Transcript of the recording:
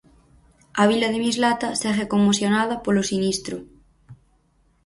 A vila de Mislata segue conmocionada polo sinistro.